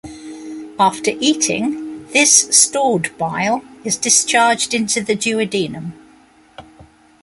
After eating, this stored bile is discharged into the duodenum.